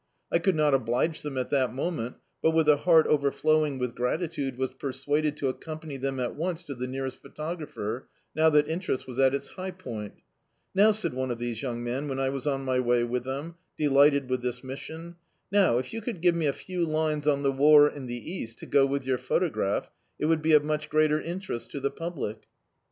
I could not oblige them at that moment, but with a heart overflowing with gratitude was persuaded to accran pany them at once to the nearest photographer, now that interest was at its high poinL "Now," said one of these young men, when I was on my way with them, delisted with this mission — "now, if you could give me a few lines on the war in the East, to go with your photograph, it would be of much greater interest to the public."